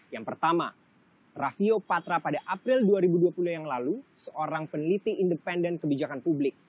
yang pertama raffio patra pada april dua ribu dua puluh yang lalu seorang peneliti independen kebijakan publik